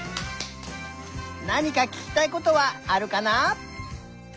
なにかききたいことはあるかな？